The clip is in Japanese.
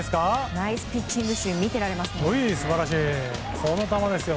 ナイスピッチング集見てられますね。